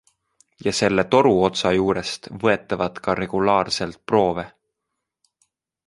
Ja selle toruotsa juurest võetavat ka regulaarselt proove.